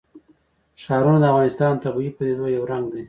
ښارونه د افغانستان د طبیعي پدیدو یو رنګ دی.